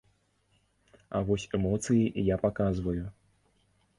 А вось эмоцыі я паказваю.